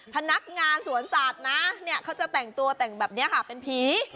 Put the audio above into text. พนักงานสวนสัตว์นะเขาจะแต่งตัวแต่งแบบนี้ค่ะเป็นผี